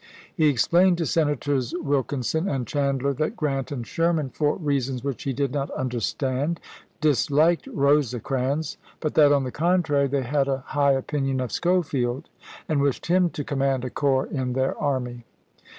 He explained to Senators Wil kinson and Chandler that GTrant and Sherman, for reasons which he did not understand, dishked Rosecrans ; but that, on the contrary, they had a high opinion of Schofield, and wished him to com mand a corps in their army.